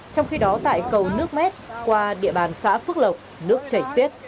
trong khi đó tại cầu nước mét qua địa bàn xã phước lộc nước chảy xiết